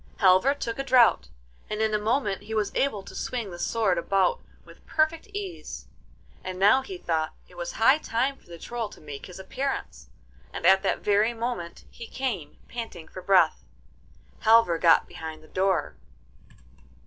Halvor took a draught, and in a moment he was able to swing the sword about with perfect ease. And now he thought it was high time for the Troll to make his appearance, and at that very moment he came, panting for breath. Halvor got behind the door.